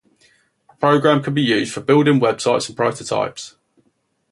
The program can be used for building websites and prototypes.